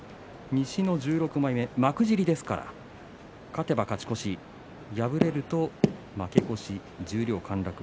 西の１６枚目幕尻ですから勝てば勝ち越し敗れると負け越し十両陥落。